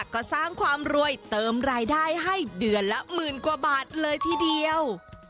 ก็สร้างความรวยเติมรายได้ให้เดือนละหมื่นกว่าบาทเลยทีเดียว